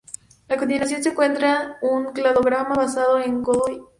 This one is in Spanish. A continuación se encuentra un cladograma basado en Godoy "et al.